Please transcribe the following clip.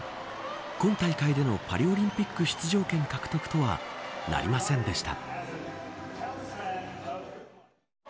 今大会でのパリオリンピック出場権獲得とはなりませんでした。